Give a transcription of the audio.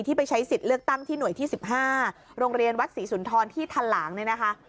ไปใช้สิทธิ์เลือกตั้งที่หน่วยที่๑๕โรงเรียนวัดศรีสุนทรที่ทันหลางเนี่ยนะคะ